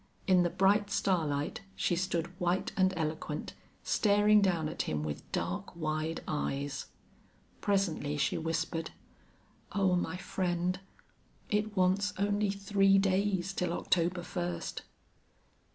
In the bright starlight she stood white and eloquent, staring down at him with dark, wide eyes. Presently she whispered: "Oh, my friend! It wants only three days till October first!"